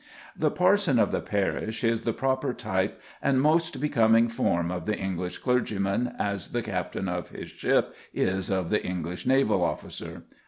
The parson of the parish is the proper type and most becoming form of the English clergyman as the captain of his ship is of the English naval officer.